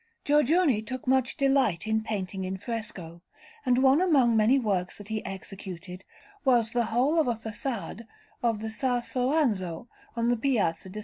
Giorgione took much delight in painting in fresco, and one among many works that he executed was the whole of a façade of the Ca Soranzo on the Piazza di S.